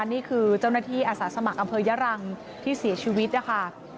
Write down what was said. นี่คือเจ้าหน้าที่อาสาสมัครอำเภยะรังที่เสียชีวิตนะคะ